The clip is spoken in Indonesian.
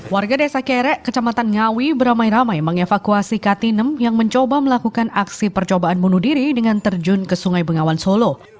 warga desa kerek kecamatan ngawi beramai ramai mengevakuasi katinem yang mencoba melakukan aksi percobaan bunuh diri dengan terjun ke sungai bengawan solo